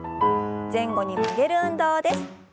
前後に曲げる運動です。